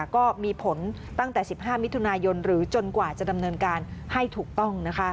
ก็มีผลตั้งแต่๑๕มิถุนายนหรือจนกว่าจะดำเนินการให้ถูกต้อง